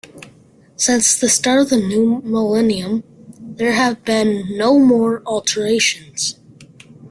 Since the start of the new millennium there have been no more alterations.